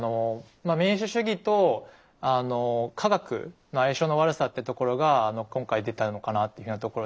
まあ民主主義と科学の相性の悪さっていうところが今回出たのかなというふうなところで。